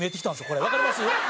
これわかります？